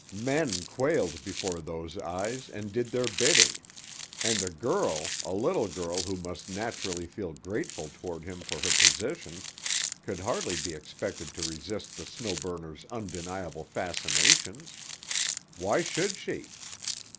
Men quailed before those eyes and did their bidding. And a girl, a little girl who must naturally feel grateful toward him for her position, could hardly be expected to resist the Snow Burner's undeniable fascinations. Why should she?